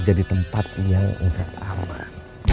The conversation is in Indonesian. jadi tempat yang udah aman